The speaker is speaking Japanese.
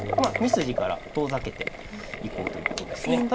２筋から遠ざけていこうということですね。